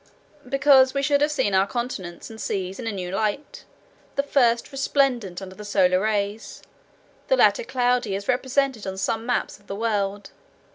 "Because we should have seen our continents and seas in a new light—the first resplendent under the solar rays, the latter cloudy as represented on some maps of the world.